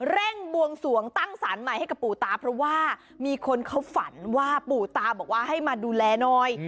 บวงสวงตั้งสารใหม่ให้กับปู่ตาเพราะว่ามีคนเขาฝันว่าปู่ตาบอกว่าให้มาดูแลหน่อย